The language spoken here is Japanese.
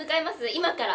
今から。